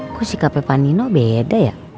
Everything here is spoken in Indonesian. aku sikapnya panino beda ya